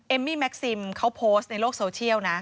มี่แม็กซิมเขาโพสต์ในโลกโซเชียลนะ